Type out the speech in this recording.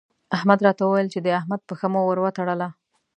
احمد راته وويل چې د احمد پښه مو ور وتړله.